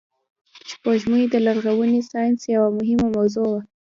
سپوږمۍ د لرغوني ساینس یوه مهمه موضوع وه